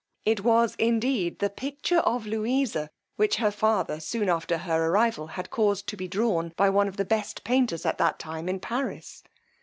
It was indeed the picture of Louisa, which her father, soon after her arrival, had caused to be drawn by one of the best painters at that time in Paris.